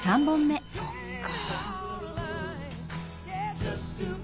そっか。